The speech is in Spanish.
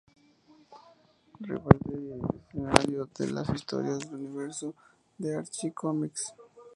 Riverdale es el escenario de las historias en el universo de Archie Comics.